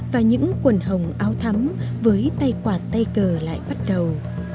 và những quần hồng áo thắm với tay quả tay cờ lại bắt đầu